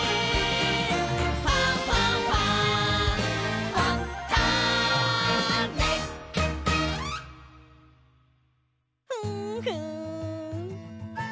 「ファンファンファン」ふんふん！